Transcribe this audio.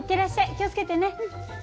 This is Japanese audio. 気を付けてね。